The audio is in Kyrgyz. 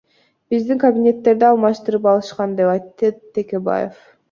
Биздин кабинеттерди алмаштырып алышкан, — деп айтты Текебаев.